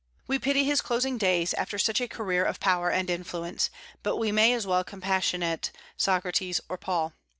We pity his closing days, after such a career of power and influence; but we may as well compassionate Socrates or Paul.